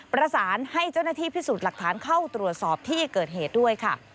ประสานให้เจ้าหน้าที่พิสูจน์หลักฐานเข้าตรวจสอบที่เกิดเหตุด้วยค่ะ